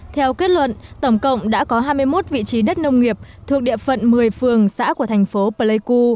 theo kết luận tổng cộng đã có hai mươi một vị trí đất nông nghiệp thuộc địa phận một mươi phường xã của thành phố pleiku